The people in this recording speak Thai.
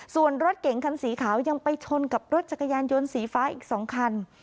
ส่วนรถเก๋งคันสีขาวยังไปชนกับรถจักรยานยนต์สีฟ้าอีก๒คัน